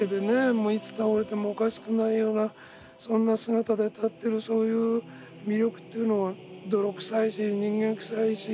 もういつ倒れてもおかしくないようなそんな姿で立ってるそういう魅力っていうのは泥臭いし人間くさいし。